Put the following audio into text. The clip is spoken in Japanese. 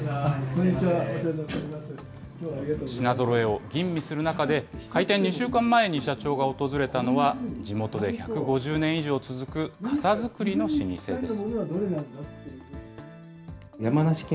品ぞろえを吟味する中で、開店２週間前に社長が訪れたのは、地元で１５０年以上続く傘作りの老舗です。